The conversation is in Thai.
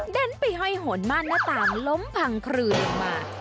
เด้นไปหอยหนมานหน้าตามล้มพังครื่นมา